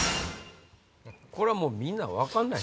これはみんな分かんない。